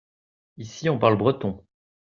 ici on parle breton.